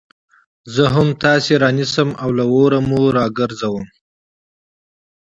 زه هم تاسي رانيسم او له اوره مو راگرځوم